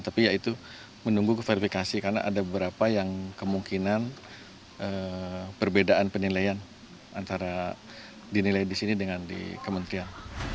tapi ya itu menunggu verifikasi karena ada beberapa yang kemungkinan perbedaan penilaian antara dinilai di sini dengan di kementerian